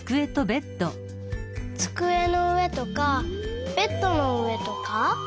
つくえのうえとかベッドのうえとか？